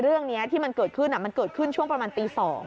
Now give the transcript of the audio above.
เรื่องนี้ที่มันเกิดขึ้นมันเกิดขึ้นช่วงประมาณตี๒